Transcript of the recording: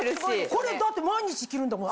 これだって毎日着るんだもん